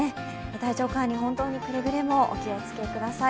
体調管理、本当にくれぐれもお気をつけください。